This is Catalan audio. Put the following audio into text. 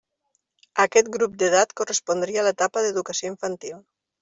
Aquest grup d'edat correspondria a l'etapa d'educació infantil.